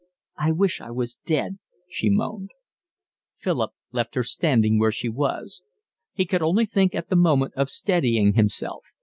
"I wish I was dead," she moaned. Philip left her standing where she was. He could only think at the moment of steadying himself.